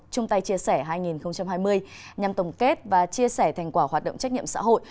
chung tay chia sẻ hai nghìn hai mươi nhằm tổng kết và chia sẻ thành quả hoạt động trách nhiệm xã hội